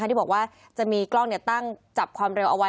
ที่บอกว่าจะมีกล้องตั้งจับความเร็วเอาไว้